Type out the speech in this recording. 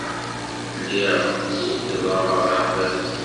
Lliɣ ukḍeɣ aɣerbaz.